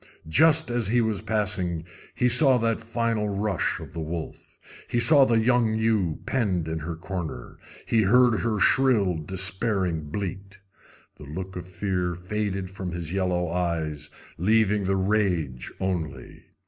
Just as he was passing he saw that final rush of the wolf. He saw the young ewe penned in her corner. He heard her shrill, despairing bleat. The look of fear faded from his yellow eyes, leaving the rage only.